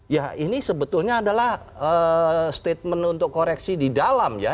ya ini sebetulnya adalah statement untuk koreksi di dalam ya